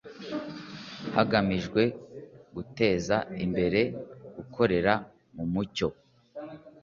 hagamijwe guteza imbere gukorera mu mucyo